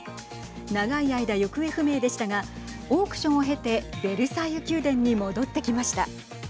長い間、行方不明でしたがオークションを経てベルサイユ宮殿に戻ってきました。